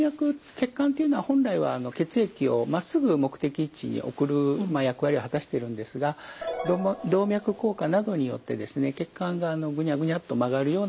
血管っていうのは本来は血液をまっすぐ目的地に送る役割を果たしてるんですが動脈硬化などによってですね血管がグニャグニャッと曲がるような感じ